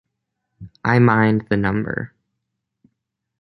I mind the number.